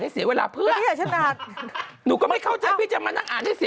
เสียเวลาเพื่อนหนูก็ไม่เข้าใจพี่จะมานั่งอ่านให้เสีย